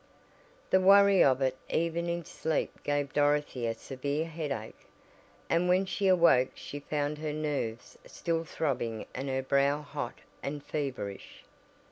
The worry of it even in sleep gave Dorothy a severe headache, and when she awoke she found her nerves still throbbing and her brow hot and feverish.